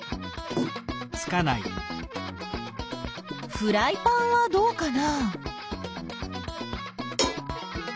フライパンはどうかな？